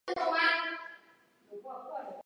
官至贵州布政使。